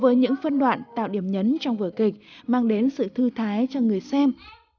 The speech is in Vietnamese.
với những phân đoạn tạo điểm nhấn trong vở kịch mang đến sự thư thái cho người xem